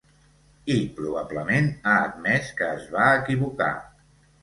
I, probablement, ha admès que es va equivocar.